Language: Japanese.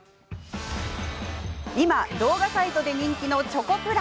今、動画サイトで人気のチョコプラ。